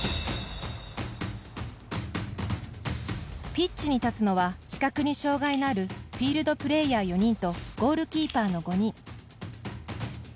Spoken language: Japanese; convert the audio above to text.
ピッチに立つのは視覚に障がいのあるフィールドプレーヤー４人とゴールキーパーの５人。